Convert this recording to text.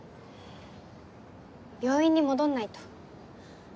病院に戻んないと。